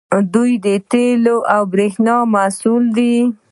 دوی د تیلو او بریښنا مسوول دي.